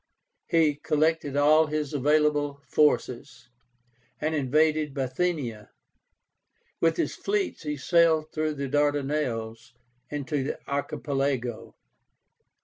He collected all his available forces, and invaded Bithynia. With his fleets he sailed through the Dardanelles into the Archipelago.